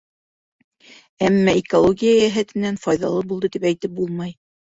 Әммә экология йәһәтенән файҙалы булды тип әйтеп булмай.